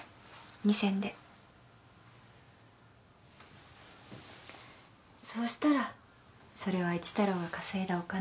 ２銭でそうしたらそれは一太郎が稼いだお金